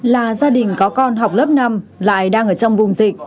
là gia đình có con học lớp năm lại đang ở trong vùng dịch